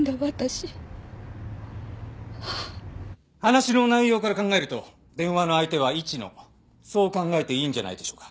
話の内容から考えると電話の相手は市野そう考えていいんじゃないでしょうか。